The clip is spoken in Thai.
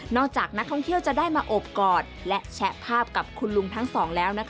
จากนักท่องเที่ยวจะได้มาอบกอดและแชะภาพกับคุณลุงทั้งสองแล้วนะคะ